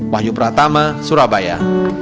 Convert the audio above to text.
wahyu pratama surabaya